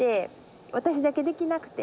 私だけできなくて。